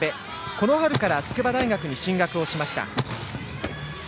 この春から筑波大学に進学をしました。